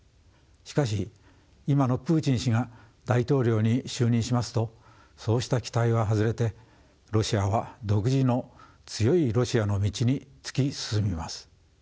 しかし今のプーチン氏が大統領に就任しますとそうした期待は外れてロシアは独自の強いロシアの道に突き進みます。